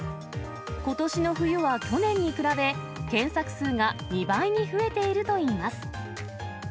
ことしの冬は去年に比べ、検索数が２倍に増えているといいます。